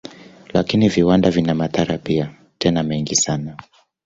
Lakini viwanda vina madhara pia, tena mengi sana.